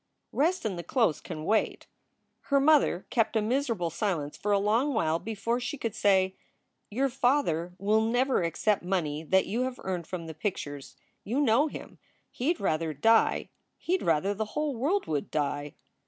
"Rest and the clothes can wait." Her mother kept a miserable silence for a long while before she could say: "Your father will never accept money that you have earned from the pictures. You know him. He d rather die. He d rather the whole world would die."